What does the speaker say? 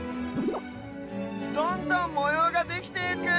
どんどんもようができてゆく！